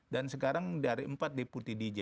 sekarang dari empat deputi dj